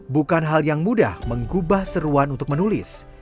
bukan hal yang mudah menggubah seruan untuk menulis